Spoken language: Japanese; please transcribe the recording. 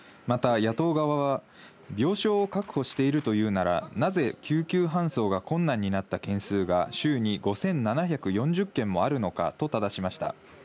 また野党側は、病床を確保していると言うなら、なぜ救急搬送が困難になった件数が週に５７４０件もあるのかとただしました。